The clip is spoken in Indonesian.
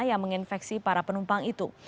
yang menginfeksi para penumpang itu